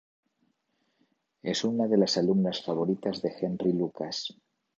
Es una de las alumnas favoritas de Henri Lucas.